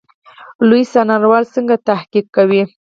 لوی څارنوالي څنګه تحقیق کوي؟